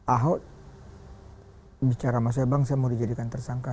ahok bicara sama saya bang saya mau dijadikan tersangka